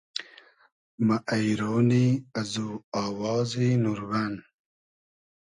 مۂ اݷرۉنی ازو آوازی نوربئن